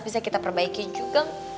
bisa kita perbaiki juga